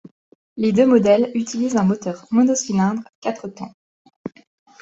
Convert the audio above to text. Les deux modèles utilisent un moteur monocylindre quatre temps.